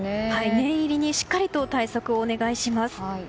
念入りにしっかりと対策をお願いします。